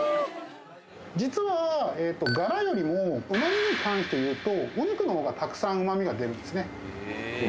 実はガラよりもうま味に関していうとお肉のほうがたくさんうま味が出るんですね。